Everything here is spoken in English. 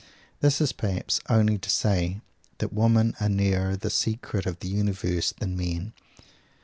This is perhaps only to say that women are nearer the secret of the universe than men.